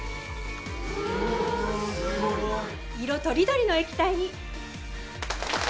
色とりどりの液体に。